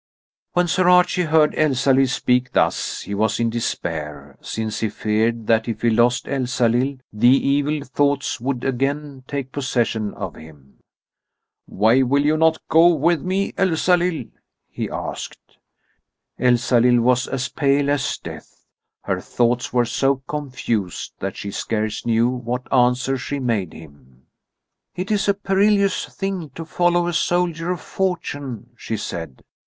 When Sir Archie heard Elsalill speak thus he was in despair, since he feared that, if he lost Elsalill, the evil thoughts would again take possession of him. "Why will you not go with me, Elsalill?" he asked. Elsalill was as pale as death. Her thoughts were so confused that she scarce knew what answer she made him. "It is a perilous thing to follow a soldier of fortune," she said.